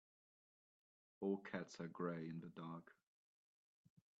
All cats are grey in the dark.